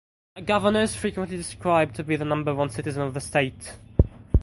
The Governor is frequently described to be the number one citizen of the state.